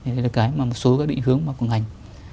đây là một số định hướng của ngành